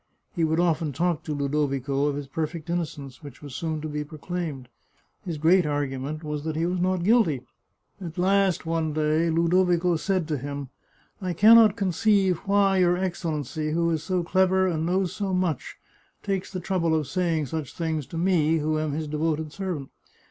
He would often talk to Ludovico of his perfect innocence, which was soon to be proclaimed. His great argument was that he was not guilty. At last, one day, Ludovico said to him :" I can not conceive why your Excellency, who is so clever and knows so much, takes the trouble of saying such things to me, who am his devoted servant.